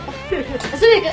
すぐ行く。